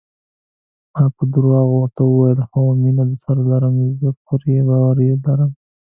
ما په درواغو ورته وویل: هو، مینه درسره لرم، زه پرې باور لرم.